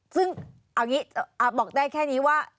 ซึ่งบอกได้แค่นี้ว่า